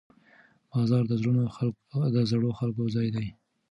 بازار د زړورو خلکو ځای دی.